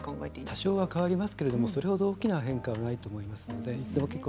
多少変わりますがそれほど大きな変化はないと思います。